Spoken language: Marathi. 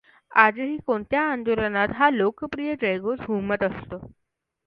आजही कोणत्याही आंदोलनात हा लोकप्रिय जयघोष घुमत असतो.